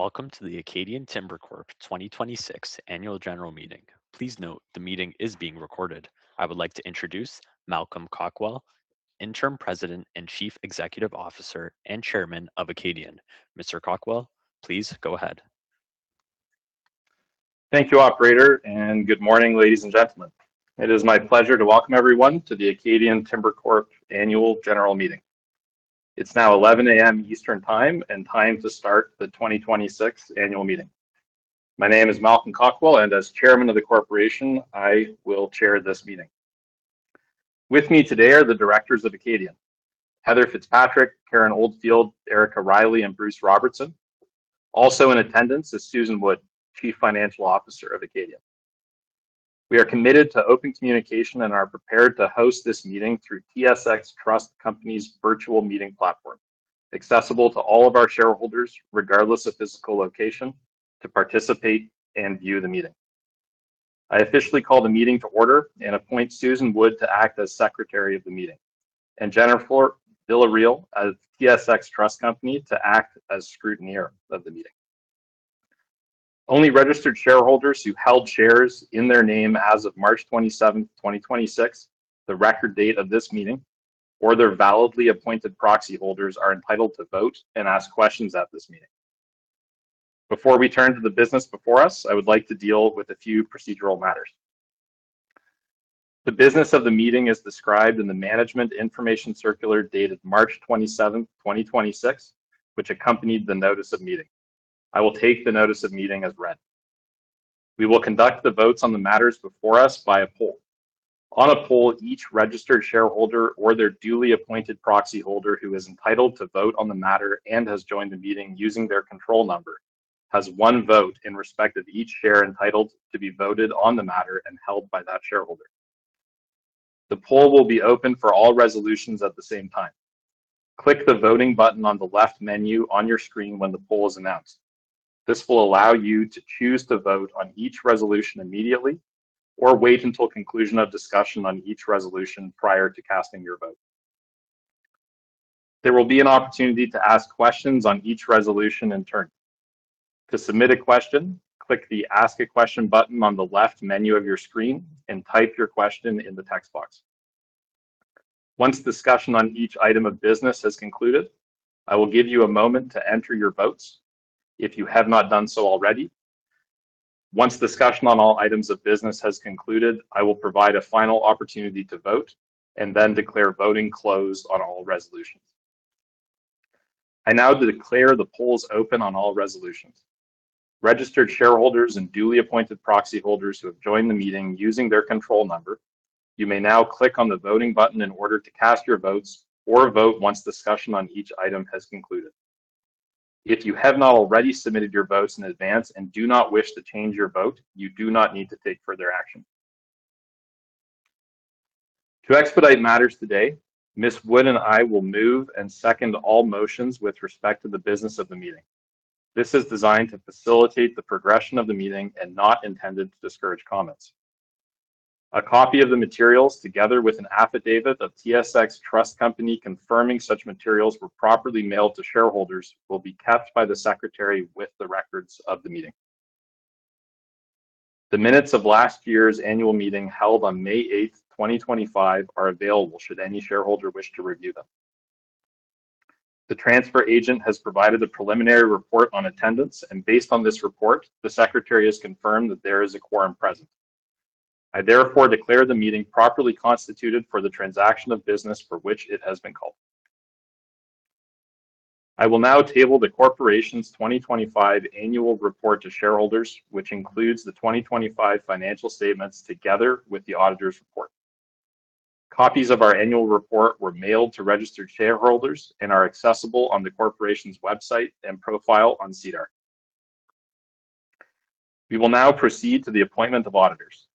Welcome to the Acadian Timber Corp 2026 Annual General Meeting. Please note the meeting is being recorded. I would like to introduce Malcolm Cockwell, Interim President and Chief Executive Officer and Chairman of Acadian. Mr. Cockwell, please go ahead. Thank you, operator, and good morning, ladies and gentlemen. It is my pleasure to welcome everyone to the Acadian Timber Corp annual general meeting. It's now 11:00 A.M. Eastern Time and time to start the 2026 annual meeting. My name is Malcolm Cockwell. As chairman of the corporation, I will chair this meeting. With me today are the directors of Acadian, Heather Fitzpatrick, Karen Oldfield, Erika Reilly, and Bruce Robertson. Also in attendance is Susan Wood, Chief Financial Officer of Acadian. We are committed to open communication and are prepared to host this meeting through TSX Trust Company's virtual meeting platform, accessible to all of our shareholders, regardless of physical location, to participate and view the meeting. I officially call the meeting to order and appoint Susan Wood to act as secretary of the meeting, and Jennifer Villarreal of TSX Trust Company to act as scrutineer of the meeting. Only registered shareholders who held shares in their name as of March 27, 2026, the record date of this meeting, or their validly appointed proxy holders are entitled to vote and ask questions at this meeting. Before we turn to the business before us, I would like to deal with a few procedural matters. The business of the meeting is described in the management information circular dated March 27, 2026, which accompanied the notice of meeting. I will take the notice of meeting as read. We will conduct the votes on the matters before us by a poll. On a poll, each registered shareholder or their duly appointed proxy holder who is entitled to vote on the matter and has joined the meeting using their control number has one vote in respect of each share entitled to be voted on the matter and held by that shareholder. The poll will be open for all resolutions at the same time. Click the voting button on the left menu on your screen when the poll is announced. This will allow you to choose to vote on each resolution immediately or wait until conclusion of discussion on each resolution prior to casting your vote. There will be an opportunity to ask questions on each resolution in turn. To submit a question, click the Ask a question button on the left menu of your screen and type your question in the text box. Once discussion on each item of business has concluded, I will give you a moment to enter your votes if you have not done so already. Once discussion on all items of business has concluded, I will provide a final opportunity to vote and then declare voting closed on all resolutions. I now declare the polls open on all resolutions. Registered shareholders and duly appointed proxy holders who have joined the meeting using their control number, you may now click on the Voting button in order to cast your votes or vote once discussion on each item has concluded. If you have not already submitted your votes in advance and do not wish to change your vote, you do not need to take further action. To expedite matters today, Ms. Wood and I will move and second all motions with respect to the business of the meeting. This is designed to facilitate the progression of the meeting and not intended to discourage comments. A copy of the materials together with an affidavit of TSX Trust Company confirming such materials were properly mailed to shareholders will be kept by the secretary with the records of the meeting. The minutes of last year's annual meeting held on May 8, 2025 are available should any shareholder wish to review them. The transfer agent has provided a preliminary report on attendance, and based on this report, the secretary has confirmed that there is a quorum present. I therefore declare the meeting properly constituted for the transaction of business for which it has been called. I will now table the corporation's 2025 annual report to shareholders, which includes the 2025 financial statements together with the auditor's report. Copies of our annual report were mailed to registered shareholders and are accessible on the corporation's website and profile on SEDAR. We will now proceed to the appointment of auditors.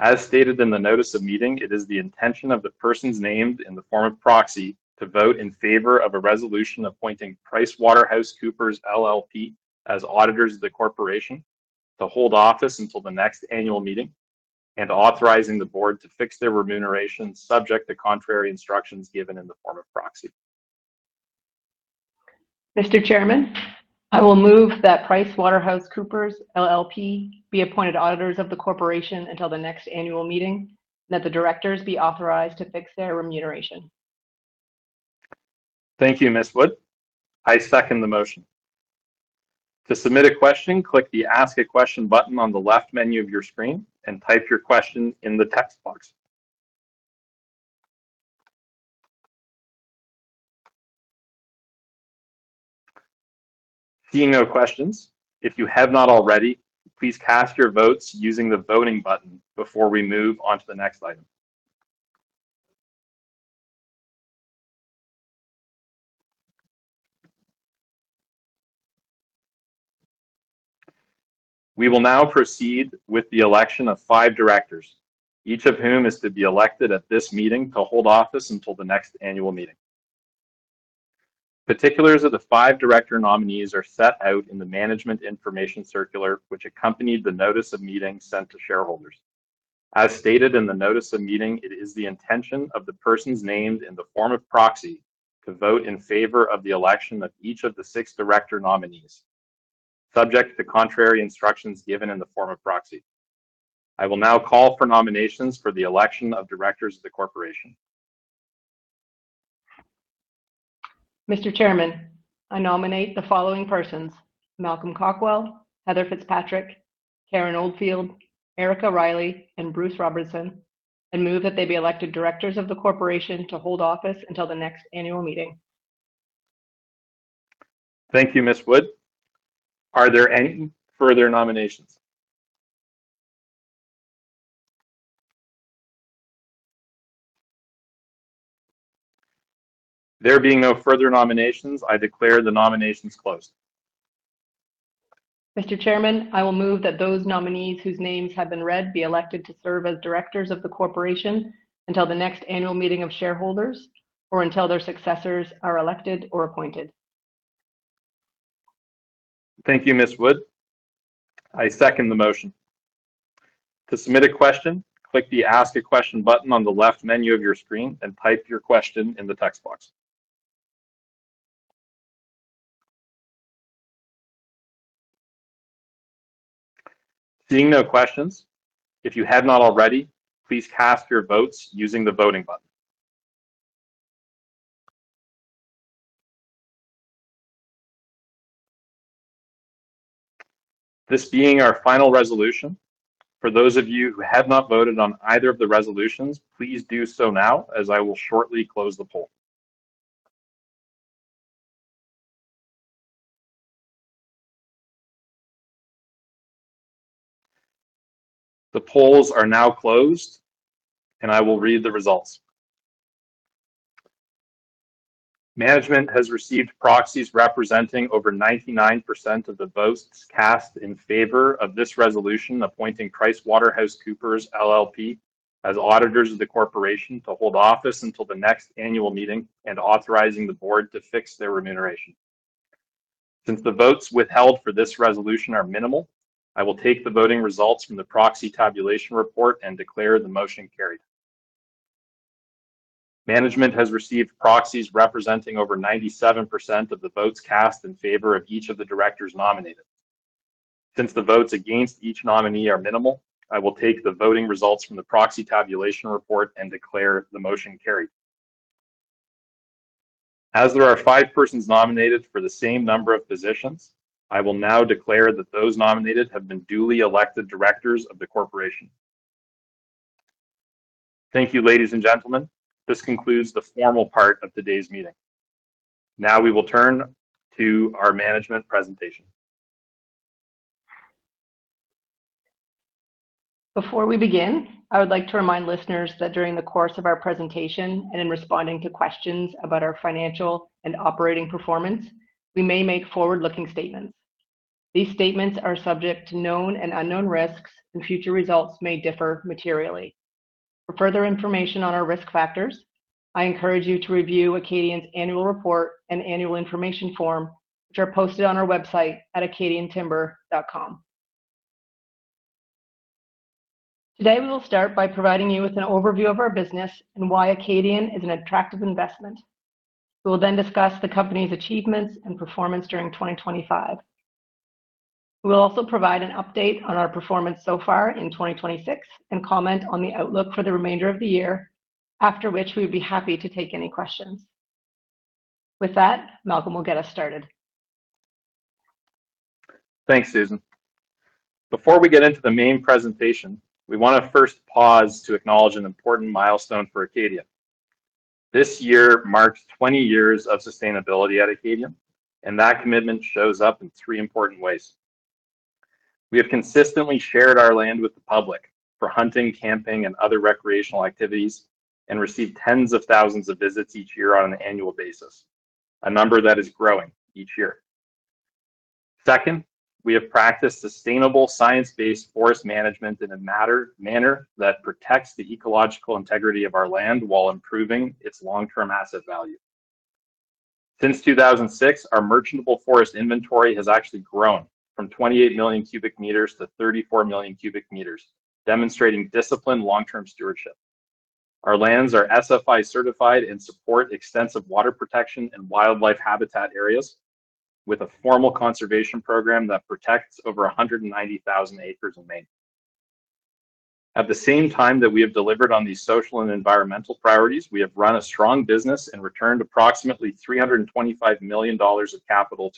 As stated in the notice of meeting, it is the intention of the persons named in the form of proxy to vote in favor of a resolution appointing PricewaterhouseCoopers LLP as auditors of the corporation to hold office until the next annual meeting and authorizing the board to fix their remuneration subject to contrary instructions given in the form of proxy. Mr. Chairman, I will move that PricewaterhouseCoopers LLP be appointed auditors of the corporation until the next annual meeting, that the directors be authorized to fix their remuneration. Thank you, Ms. Wood. I second the motion. To submit a question, click the Ask a question button on the left menu of your screen and type your question in the text box. Seeing no questions, if you have not already, please cast your votes using the Voting button before we move on to the next item. We will now proceed with the election of five directors, each of whom is to be elected at this meeting to hold office until the next annual meeting. Particulars of the five director nominees are set out in the management information circular, which accompanied the notice of meeting sent to shareholders. As stated in the notice of meeting, it is the intention of the persons named in the form of proxy to vote in favor of the election of each of the six director nominees, subject to contrary instructions given in the form of proxy. I will now call for nominations for the election of directors of the corporation. Mr. Chairman, I nominate the following persons: Malcolm Cockwell, Heather Fitzpatrick, Karen Oldfield, Erika Reilly, and Bruce Robertson, and move that they be elected directors of the corporation to hold office until the next annual meeting. Thank you, Ms. Wood. Are there any further nominations? There being no further nominations, I declare the nominations closed. Mr. Chairman, I will move that those nominees whose names have been read be elected to serve as directors of the corporation until the next annual meeting of shareholders, or until their successors are elected or appointed. Thank you, Ms. Wood. I second the motion. To submit a question, click the Ask a Question button on the left menu of your screen and type your question in the text box. Seeing no questions, if you have not already, please cast your votes using the voting button. This being our final resolution, for those of you who have not voted on either of the resolutions, please do so now as I will shortly close the poll. The polls are now closed, and I will read the results. Management has received proxies representing over 99% of the votes cast in favor of this resolution, appointing PricewaterhouseCoopers LLP as auditors of the corporation to hold office until the next annual meeting and authorizing the board to fix their remuneration. Since the votes withheld for this resolution are minimal, I will take the voting results from the proxy tabulation report and declare the motion carried. Management has received proxies representing over 97% of the votes cast in favor of each of the directors nominated. Since the votes against each nominee are minimal, I will take the voting results from the proxy tabulation report and declare the motion carried. As there are five persons nominated for the same number of positions, I will now declare that those nominated have been duly elected directors of the corporation. Thank you, ladies and gentlemen. This concludes the formal part of today's meeting. Now we will turn to our management presentation. Before we begin, I would like to remind listeners that during the course of our presentation, and in responding to questions about our financial and operating performance, we may make forward-looking statements. These statements are subject to known and unknown risks, and future results may differ materially. For further information on our risk factors, I encourage you to review Acadian's annual report and annual information form, which are posted on our website at acadiantimber.com. Today, we will start by providing you with an overview of our business and why Acadian is an attractive investment. We will then discuss the company's achievements and performance during 2025. We will also provide an update on our performance so far in 2026 and comment on the outlook for the remainder of the year. After which, we would be happy to take any questions. With that, Malcolm will get us started. Thanks, Susan. Before we get into the main presentation, we wanna first pause to acknowledge an important milestone for Acadian. This year marks 20 years of sustainability at Acadian, and that commitment shows up in three important ways. We have consistently shared our land with the public for hunting, camping, and other recreational activities, and receive 10s of thousands of visits each year on an annual basis, a number that is growing each year. Second, we have practiced sustainable science-based forest management in a manner that protects the ecological integrity of our land while improving its long-term asset value. Since 2006, our merchantable forest inventory has actually grown from 28 million m3 to 34 million m3, demonstrating disciplined long-term stewardship. Our lands are SFI certified and support extensive water protection and wildlife habitat areas with a formal conservation program that protects over 190,000 acres in Maine. At the same time that we have delivered on these social and environmental priorities, we have run a strong business and returned approximately 325 million dollars of capital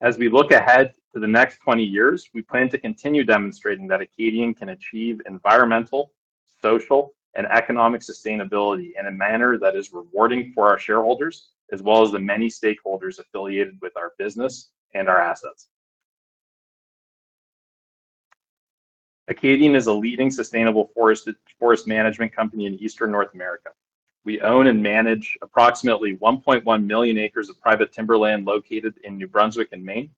to shareholders. As we look ahead to the next 20 years, we plan to continue demonstrating that Acadian can achieve environmental, social, and economic sustainability in a manner that is rewarding for our shareholders, as well as the many stakeholders affiliated with our business and our assets. Acadian is a leading sustainable forest management company in Eastern North America. We own and manage approximately 1.1 million acres of private timberland located in New Brunswick and Maine,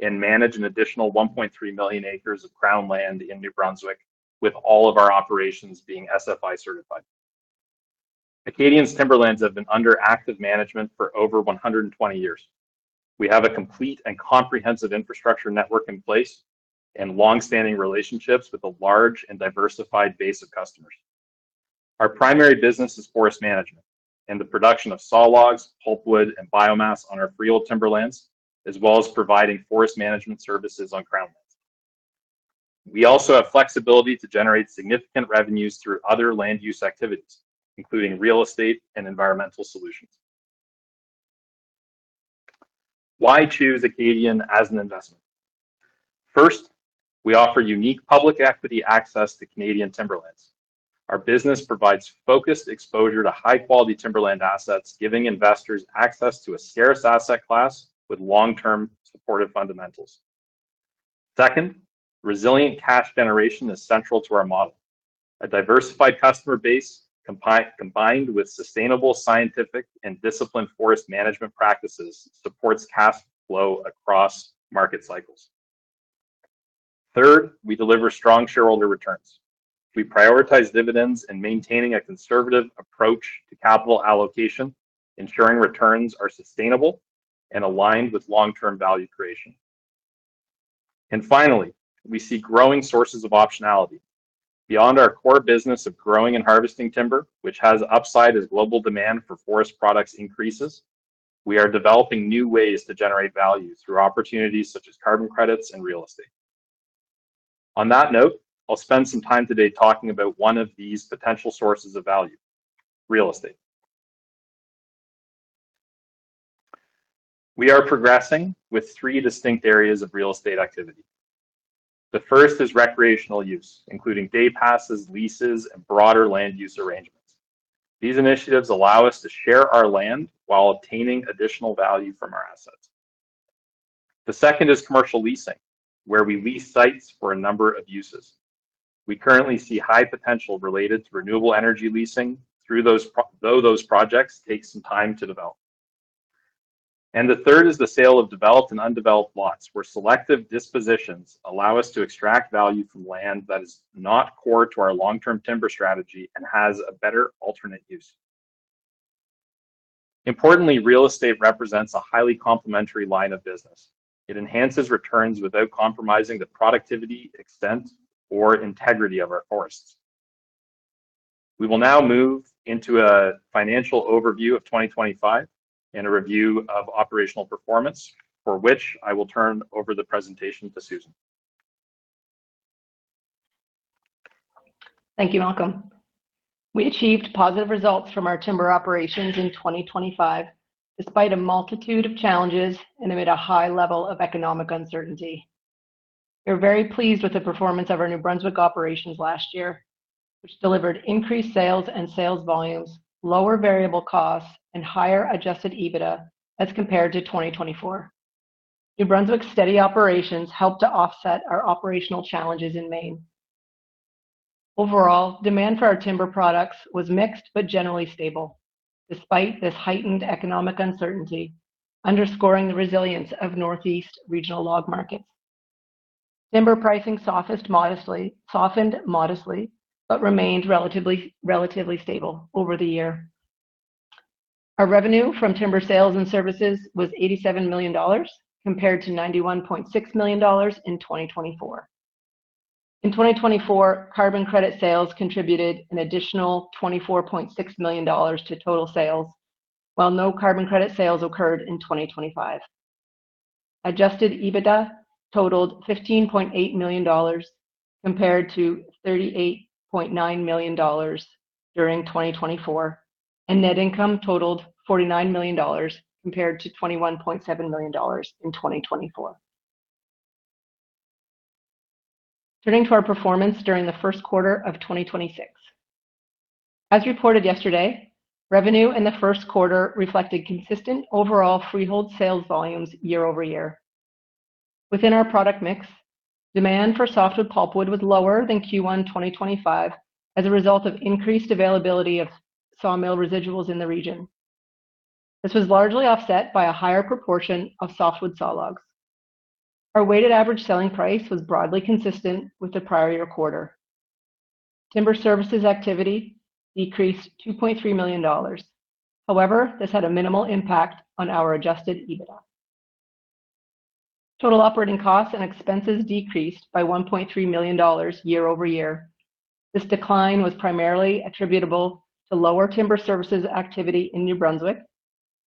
and manage an additional 1.3 million acres of Crown land in New Brunswick with all of our operations being SFI certified. Acadian's timberlands have been under active management for over 120 years. We have a complete and comprehensive infrastructure network in place and long-standing relationships with a large and diversified base of customers. Our primary business is forest management and the production of saw logs, pulpwood, and biomass on our freehold timberlands, as well as providing forest management services on Crown lands. We also have flexibility to generate significant revenues through other land use activities, including real estate and environmental solutions. Why choose Acadian as an investment? First, we offer unique public equity access to Canadian timberlands. Our business provides focused exposure to high-quality timberland assets, giving investors access to a scarce asset class with long-term supportive fundamentals. Second, resilient cash generation is central to our model. A diversified customer base combined with sustainable scientific and disciplined forest management practices supports cash flow across market cycles. Third, we deliver strong shareholder returns. We prioritize dividends and maintaining a conservative approach to capital allocation, ensuring returns are sustainable and aligned with long-term value creation. Finally, we see growing sources of optionality. Beyond our core business of growing and harvesting timber, which has upside as global demand for forest products increases, we are developing new ways to generate value through opportunities such as carbon credits and real estate. On that note, I'll spend some time today talking about one of these potential sources of value, real estate. We are progressing with three distinct areas of real estate activity. The first is recreational use, including day passes, leases, and broader land use arrangements. These initiatives allow us to share our land while obtaining additional value from our assets. The second is commercial leasing, where we lease sites for a number of uses. We currently see high potential related to renewable energy leasing though those projects take some time to develop. The third is the sale of developed and undeveloped lots, where selective dispositions allow us to extract value from land that is not core to our long-term timber strategy and has a better alternate use. Importantly, real estate represents a highly complementary line of business. It enhances returns without compromising the productivity, extent, or integrity of our forests. We will now move into a financial overview of 2025 and a review of operational performance, for which I will turn over the presentation to Susan. Thank you, Malcolm. We achieved positive results from our timber operations in 2025, despite a multitude of challenges and amid a high level of economic uncertainty. We're very pleased with the performance of our New Brunswick operations last year, which delivered increased sales and sales volumes, lower variable costs, and higher Adjusted EBITDA as compared to 2024. New Brunswick's steady operations helped to offset our operational challenges in Maine. Overall, demand for our timber products was mixed but generally stable, despite this heightened economic uncertainty, underscoring the resilience of Northeast regional log markets. Timber pricing softened modestly, but remained relatively stable over the year. Our revenue from timber sales and services was 87 million dollars compared to 91.6 million dollars in 2024. In 2024, carbon credit sales contributed an additional 24.6 million dollars to total sales, while no carbon credit sales occurred in 2025. Adjusted EBITDA totaled 15.8 million dollars compared to 38.9 million dollars during 2024, and net income totaled 49 million dollars compared to 21.7 million dollars in 2024. Turning to our performance during the first quarter of 2026. As reported yesterday, revenue in the first quarter reflected consistent overall freehold sales volumes year-over-year. Within our product mix, demand for softwood pulpwood was lower than Q1 2025 as a result of increased availability of sawmill residuals in the region. This was largely offset by a higher proportion of softwood saw logs. Our weighted average selling price was broadly consistent with the prior year quarter. Timber services activity decreased 2.3 million dollars. However, this had a minimal impact on our Adjusted EBITDA. Total operating costs and expenses decreased by 1.3 million dollars year-over-year. This decline was primarily attributable to lower timber services activity in New Brunswick,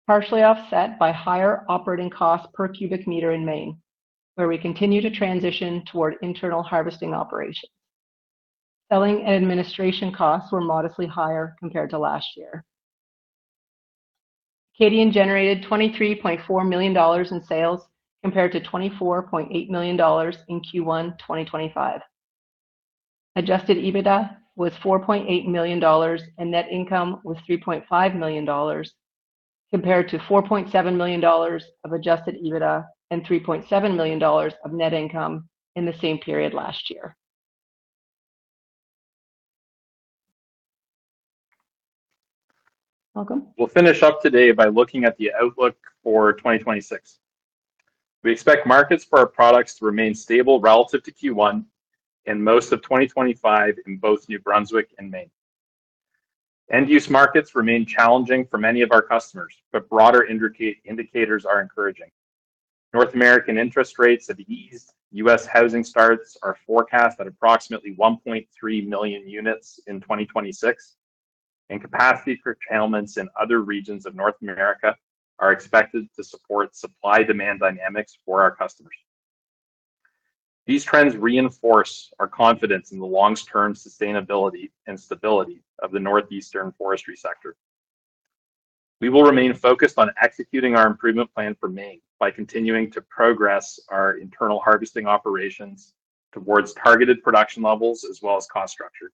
partially offset by higher operating costs per cubic meter in Maine, where we continue to transition toward internal harvesting operations. Selling and administration costs were modestly higher compared to last year. Acadian generated 23.4 million dollars in sales compared to 24.8 million dollars in Q1 2025. Adjusted EBITDA was 4.8 million dollars, and net income was 3.5 million dollars, compared to 4.7 million dollars of Adjusted EBITDA and 3.7 million dollars of net income in the same period last year. Malcolm? We'll finish up today by looking at the outlook for 2026. We expect markets for our products to remain stable relative to Q1 in most of 2025 in both New Brunswick and Maine. End-use markets remain challenging for many of our customers; broader indicators are encouraging. North American interest rates have eased. U.S. housing starts are forecast at approximately 1.3 million units in 2026, capacity for curtailments in other regions of North America are expected to support supply-demand dynamics for our customers. These trends reinforce our confidence in the long-term sustainability and stability of the Northeastern forestry sector. We will remain focused on executing our improvement plan for Maine by continuing to progress our internal harvesting operations towards targeted production levels as well as cost structure.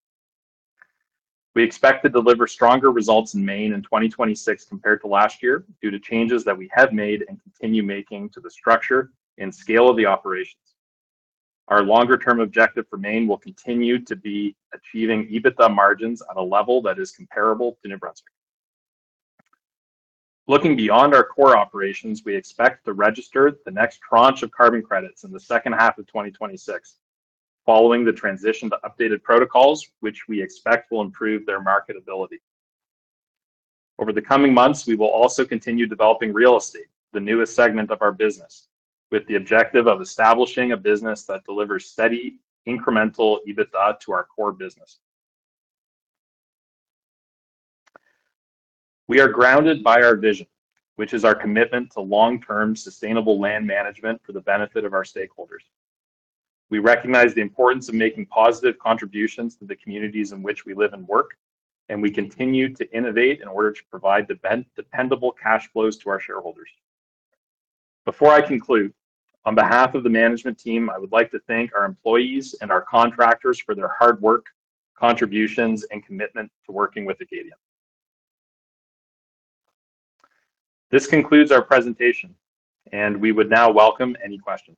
We expect to deliver stronger results in Maine in 2026 compared to last year due to changes that we have made and continue making to the structure and scale of the operations. Our longer-term objective for Maine will continue to be achieving EBITDA margins at a level that is comparable to New Brunswick. Looking beyond our core operations, we expect to register the next tranche of carbon credits in the second half of 2026 following the transition to updated protocols which we expect will improve their marketability. Over the coming months, we will also continue developing real estate, the newest segment of our business, with the objective of establishing a business that delivers steady incremental EBITDA to our core business. We are grounded by our vision, which is our commitment to long-term sustainable land management for the benefit of our stakeholders. We recognize the importance of making positive contributions to the communities in which we live and work. We continue to innovate in order to provide dependable cash flows to our shareholders. Before I conclude, on behalf of the management team, I would like to thank our employees and our contractors for their hard work, contributions, and commitment to working with Acadian. This concludes our presentation. We would now welcome any questions.